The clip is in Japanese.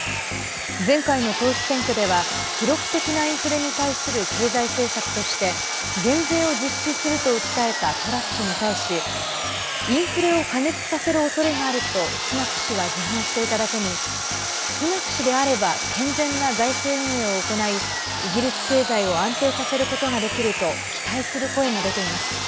前回の党首選挙では記録的なインフレに対する経済政策として減税を実施すると訴えたトラス氏に対しインフレを過熱させるおそれがあるとスナク氏は批判していただけにスナク氏であれば健全な財政運営を行いイギリス経済を安定させることができると期待する声も出ています。